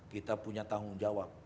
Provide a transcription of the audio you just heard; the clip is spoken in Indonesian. kita punya tanggung jawab